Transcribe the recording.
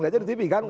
lihat di tv kan